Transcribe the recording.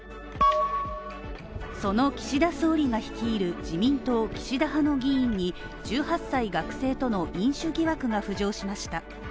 その岸田総理が率いる、自民党・岸田派の議員に１８歳学生との飲酒疑惑が浮上しました。